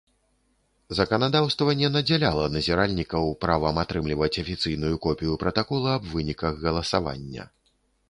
Заканадаўства не надзяляла назіральнікаў правам атрымліваць афіцыйную копію пратакола аб выніках галасавання.